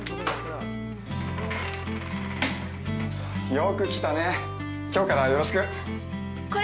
◆よく来たね、きょうからよろしく！